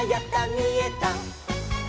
みえた！」